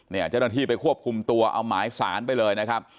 เจ้าหน้าที่ไปควบคุมตัวเอาหมายสารไปเลยนะครับ